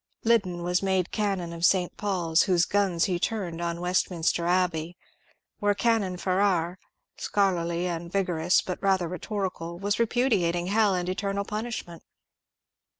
Liddon was made Canon of St. Paul's, whose guns he turned on Westmin ster Abbey, where Canon Farrar — scholarly and vigorous but rather rhetorical — was repudiating hell and eternal punish ment.